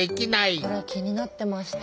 これ気になってました。